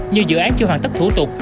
như dự án chưa hoàn tất thủ tục